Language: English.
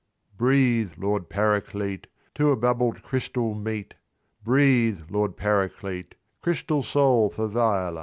Breathe, Lord Paraclete, To a bubbled crystal meet— Breathe, Lord Paraclete— Crystal soul for Viola.